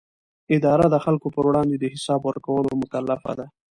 اداره د خلکو پر وړاندې د حساب ورکولو مکلفه ده.